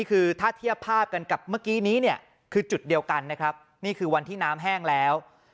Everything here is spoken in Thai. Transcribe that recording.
เรามามาเทียบภาพกับเมื่อกี้นี้คือจุดเดียวกันวันที่น้ำแห้งแล้ว